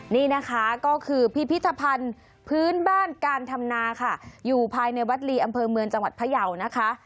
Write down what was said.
นี่นะคะก็คือพิพิธภัณฑ์พื้นบ้านการทำนาค่ะอยู่ภายในวัดลีอำเภอเมืองจังหวัดพยาวนะคะ